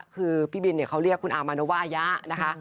คือพี่บินเขาเรียกคุณอามาโนวาอายะนะคะ